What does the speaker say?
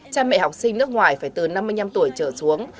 cha mẹ học sinh nước ngoài phải từ năm mươi năm tuổi trở xuống